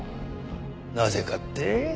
なぜかって？